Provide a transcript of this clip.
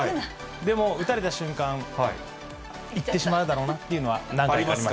でも、打たれた瞬間、行ってしまうだろうなっていうのは何回もありました。